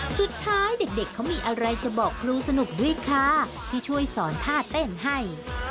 สุดท้ายเด็กเขามีอะไรจะบอกครูสนุกด้วยค่ะที่ช่วยสอนท่าเต้นให้